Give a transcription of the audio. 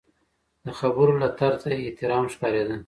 د خبرو له طرزه یې احترام ښکارېده.